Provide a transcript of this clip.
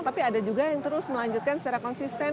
tapi ada juga yang terus melanjutkan secara konsisten